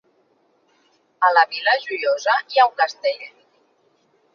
A la Vila Joiosa hi ha un castell?